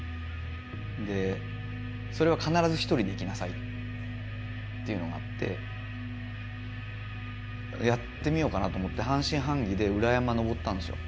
でそれは必ず１人で行きなさいっていうのがあってやってみようかなと思って半信半疑で裏山登ったんですよ。